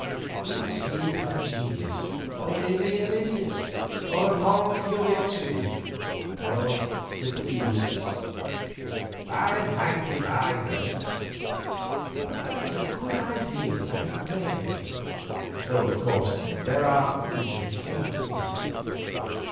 Is he a genius, or is he an idiot, or a moral curiosity, or simply useless? I'm hanged if I know, but that's a good idea about Mary; though, of course, there are things against it.